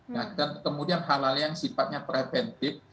nah kemudian hal hal yang sifatnya preventif